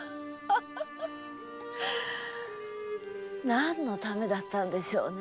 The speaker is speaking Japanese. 何のためだったんでしょうね。